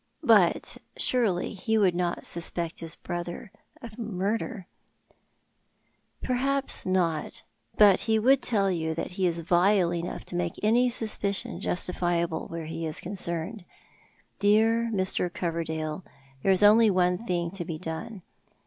" But surely he would not suspect his brother of murder ?"" Perhaps not ; but he would tell you he is vile enough to make any suspicion justifiable where he is concerned. Dear Mr. Coverdale, there is only one thing to be done.